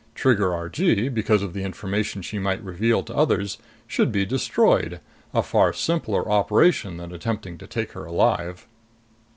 Trigger Argee, because of the information she might reveal to others, should be destroyed a far simpler operation than attempting to take her alive.